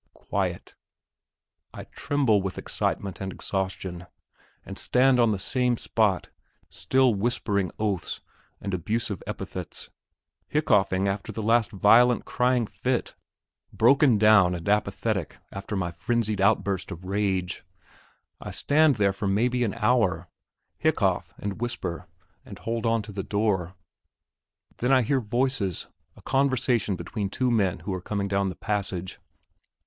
Quiet. I tremble with excitement and exhaustion, and stand on the same spot, still whispering oaths and abusive epithets, hiccoughing after the violent crying fit, broken down and apathetic after my frenzied outburst of rage. I stand there for maybe an hour, hiccough and whisper, and hold on to the door. Then I hear voices a conversation between two men who are coming down the passage.